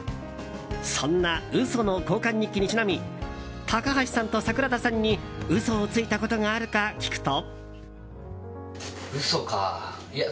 そんな嘘の交換日記にちなみ高橋さんと桜田さんに嘘をついたことがあるか聞くと。